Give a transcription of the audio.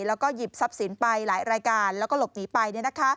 แล้วก็หยิบทรัพย์สินไปหลายรายการแล้วก็หลบหนีไป